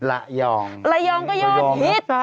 ระยองก็ยอดฮิต